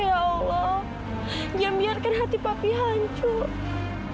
jangan biarkan hati papi hancur